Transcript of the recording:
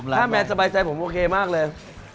ถ้าแมนสบายใจผมโอเคมากเลย